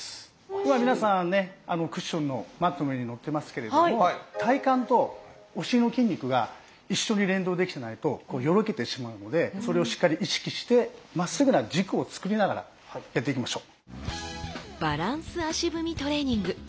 今皆さんねクッションのマットの上に乗ってますけれども体幹とお尻の筋肉が一緒に連動できてないとよろけてしまうのでそれをしっかり意識してまっすぐな軸をつくりながらやっていきましょう！